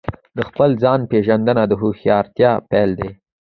د خپل ځان پېژندنه د هوښیارتیا پیل دی.